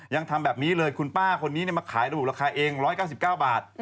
ยังทำแบบนี้เลยคุณป้าคนนี้มาขายระบุราคาเอง๑๙๙บาท